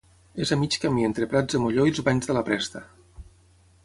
És a mig camí entre Prats de Molló i els Banys de la Presta.